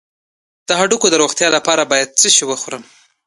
د هډوکو د روغتیا لپاره باید څه شی وخورم؟